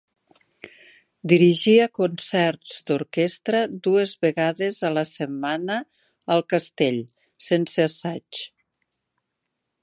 Dirigia concerts d'orquestra dues vegades a la setmana al castell sense assaig.